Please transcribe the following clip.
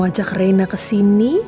kondisi saya masih seperti ini